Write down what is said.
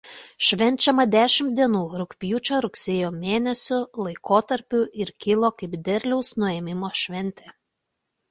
Švenčiama dešimt dienų rugpjūčio–rugsėjo mėnesių laikotarpiu ir kilo kaip derliaus nuėmimo šventė.